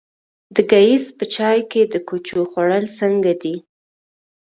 د ګیځ په چای د کوچو خوړل څنګه دي؟